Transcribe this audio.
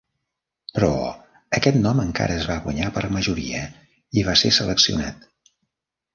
Però aquest nom encara es va guanyar per majoria i va ser seleccionat.